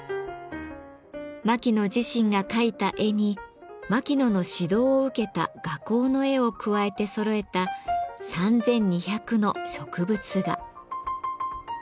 牧野自身が描いた絵に牧野の指導を受けた画工の絵を加えてそろえた３，２００の植物画。